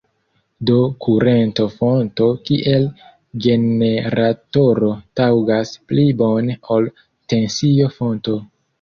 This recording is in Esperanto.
Do kurento-fonto kiel generatoro taŭgas pli bone ol tensio-fonto.